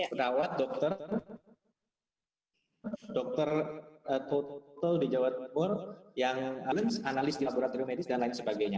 perawat dokter dokter di jawa timur yang analis di laboratorium medis dan lain sebagainya